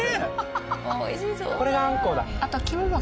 これがあんこうだ。